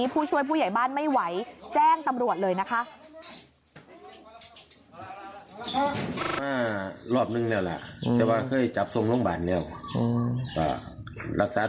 พอมาตอนเช้ามืดที่ผ่านมาค่ะ